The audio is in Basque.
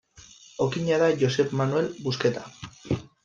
Okina da Josep Manel Busqueta.